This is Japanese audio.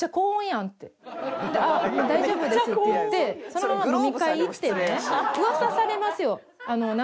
そのまま飲み会行ってね噂されますよ。